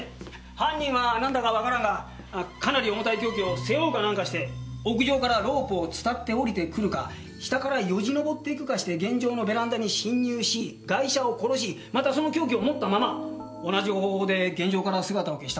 犯人はなんだかわからんがかなり重たい凶器を背負うかなんかして屋上からロープを伝って下りてくるか下からよじ登っていくかして現場のベランダに侵入しガイシャを殺しまたその凶器を持ったまま同じ方法で現場から姿を消したんだ。